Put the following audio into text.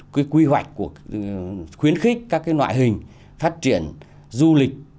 cái quy hoạch khuyến khích các cái loại hình phát triển du lịch